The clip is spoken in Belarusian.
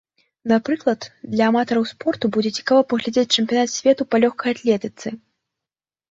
Напрыклад, для аматараў спорту будзе цікава паглядзець чэмпіянат свету па лёгкай атлетыцы.